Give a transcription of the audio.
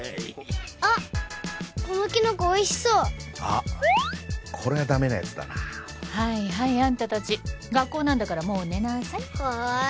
あっこのキノコおいしそうあっこれはダメなやつだなはいはいあんた達学校なんだからもう寝なさいはい